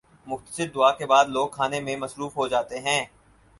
مختصر دعا کے بعد لوگ کھانے میں مصروف ہو جاتے ہیں۔